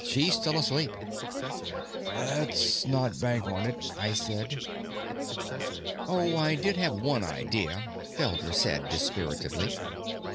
"She's still asleep." "Let's not bank on it," I said. "Oh, I did have one idea," Felder said dispiritedly.